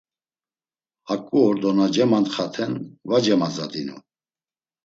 Haǩu ordo na cemantxaten, va cemazadinu.